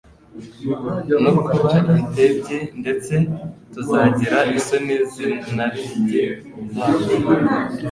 no kuba intebyi ndetse tuzagira isoni z'inarijye yacu.